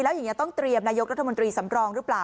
แล้วอย่างนี้ต้องเตรียมนายกรัฐมนตรีสำรองหรือเปล่า